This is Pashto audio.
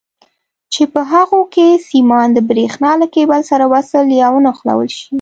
چې په هغو کې سیمان د برېښنا له کیبل سره وصل یا ونښلول شي.